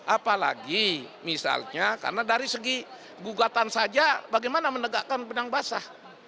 apalagi misalnya karena dari segi gugatan saja bagaimana menegakkan benang basah